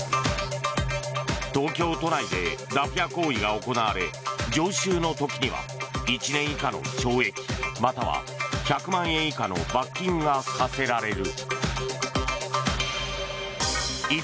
東京都内でダフ屋行為が行われ常習の時には１年以下の懲役または１００万円以下の罰金が科せられる。